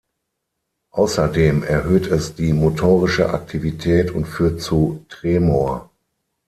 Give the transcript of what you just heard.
Außerdem erhöht es die motorische Aktivität und führt zu Tremor.